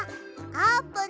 あーぷん！